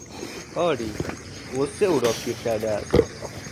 آری، غصه او را پیر کرده است.